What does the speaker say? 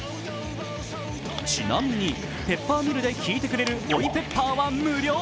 ちなみにペッパーミルでひいてくれる追いペッパーは無料。